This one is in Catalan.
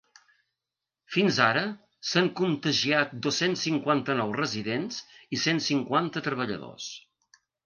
Fins ara s’han contagiat dos-cents cinquanta-nou residents i cent cinquanta treballadors.